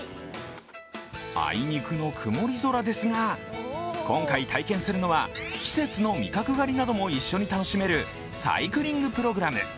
あいにくの曇り空ですが、今回体験するのは季節の味覚狩りなども一緒に楽しめるサイクリングプログラム。